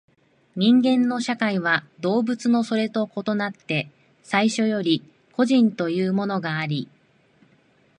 人間の社会は動物のそれと異なって最初より個人というものがあり、